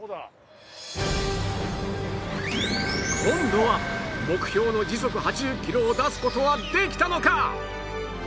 今度は目標の時速８０キロを出す事はできたのか？